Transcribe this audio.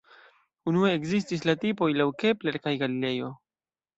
Unue ekzistis la tipoj laŭ Kepler kaj Galilejo.